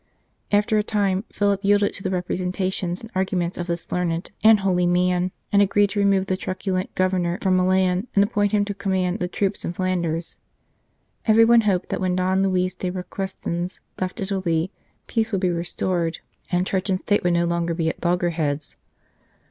After a time Philip yielded to the representations and arguments of this learned and 112 Another Ambrose holy man, and agreed to remove the truculent Governor from Milan and appoint him to com mand the troops in Flanders. Everyone hoped that when Don Luis de Requesens left Italy peace would be restored, and Church and State would no longer be at logger heads.